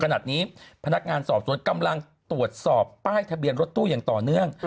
ขณะนี้พนักงานสอบสวนกำลังตรวจสอบป้ายทะเบียนรถตู้อย่างต่อเนื่อง